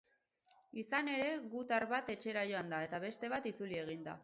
Izan ere, gutar bat etxera joan da eta beste bat itzuli eginda.